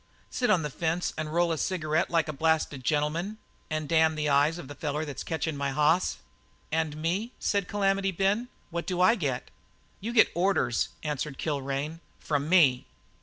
"Sit on the fence and roll a cigarette like a blasted gentleman and damn the eyes of the feller that's catchin' my hoss." "And me," said Calamity Ben, "what do I get?" "You get orders," answered Kilrain, "from me."